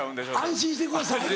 安心してください。